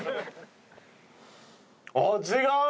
ああ違う！